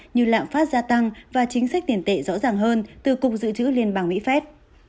như lạm phát gia tăng và chính sách tiền tệ rõ ràng hơn từ cục dự trữ liên bang mỹ phép